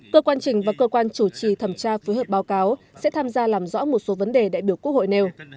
cơ quan trình và cơ quan chủ trì thẩm tra phối hợp báo cáo sẽ tham gia làm rõ một số vấn đề đại biểu quốc hội nêu